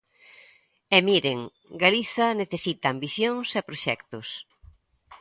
E miren, Galiza necesita ambicións e proxectos.